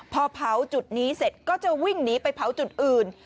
พอเผาจุดนี้เสร็จก็จะวิ่งหนีไปเผาจุดอื่น